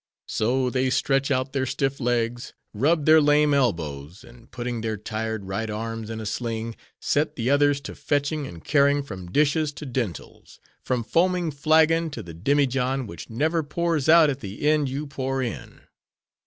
So they stretch out their stiff legs, rub their lame elbows, and putting their tired right arms in a sling, set the others to fetching and carrying from dishes to dentals, from foaming flagon to the demijohn which never pours out at the end you pour in.